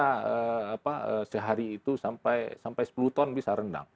kapasitas produksinya bisa sehari itu sampai sepuluh ton bisa rendang